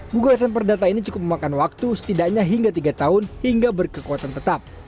gugatan perdata ini cukup memakan waktu setidaknya hingga tiga tahun hingga berkekuatan tetap